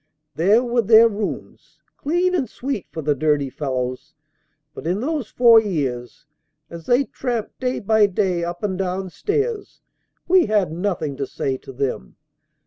"There were their rooms, clean and sweet for the dirty fellows; but in those four years, as they tramped day by day up and down stairs, we had nothing to say to them.